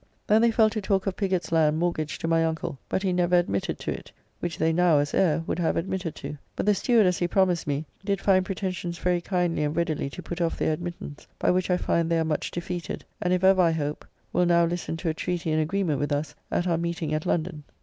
Then they fell to talk of Piggott's land mortgaged to my uncle, but he never admitted to it, which they now as heir would have admitted to. But the steward, as he promised me, did find pretensions very kindly and readily to put off their admittance, by which I find they are much defeated, and if ever, I hope, will now listen to a treaty and agreement with us, at our meeting at London.